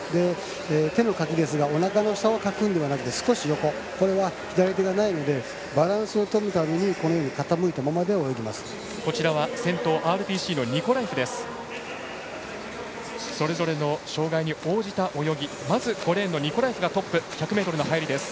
手のかきですがおなかの下をかくのではなくて少し横、これは左手がないのでバランスを取るために傾いたまま泳ぎます。